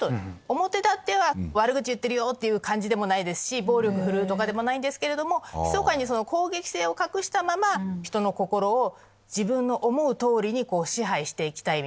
表立っては悪口言ってるよっていう感じでもないですし暴力振るうとかでもないんですけれどもひそかに攻撃性を隠したままひとの心を自分の思う通りに支配して行きたいみたいな。